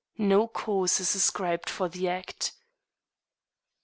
No cause is ascribed for the act."